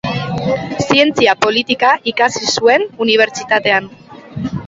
Zientzia politika ikasi zuen unibertsitatean.